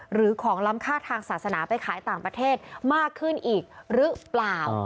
หรือของล้ำค่าทางศาสนาไปขายต่างประเทศมากขึ้นอีกหรือเปล่า